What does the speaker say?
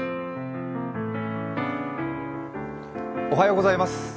おはようございます。